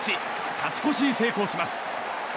勝ち越しに成功します。